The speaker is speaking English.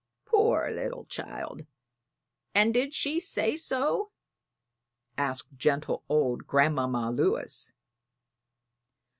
"Poor little child and did she say so?" asked gentle old Grandmamma Lewis.